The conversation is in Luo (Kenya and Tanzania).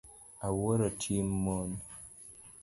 Awuoro tim mon.